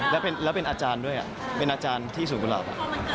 แล้วเป็นอาจารย์ด้วยโรงพยาบาลที่สุดกลัว